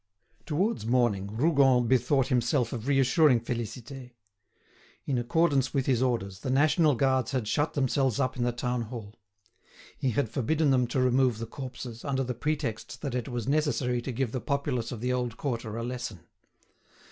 Towards morning, Rougon bethought himself of reassuring Félicité. In accordance with his orders, the national guards had shut themselves up in the town hall. He had forbidden them to remove the corpses, under the pretext that it was necessary to give the populace of the old quarter a lesson.